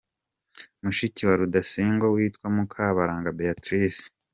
Mushiki wa Rudasingwa witwa Mukabaranga Beatrice